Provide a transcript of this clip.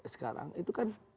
sekarang itu kan